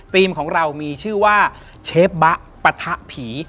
ของเรามีชื่อว่าเชฟบะปะทะผี